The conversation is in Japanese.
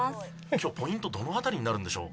今日ポイントどの辺りになるんでしょう？